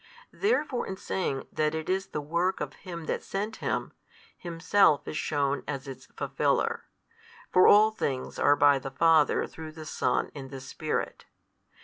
Therefore in saying that it is the work of Him That hath sent Him, Himself is shewn as its Fulfiller: for all things are by the Father through the Son in the Spirit.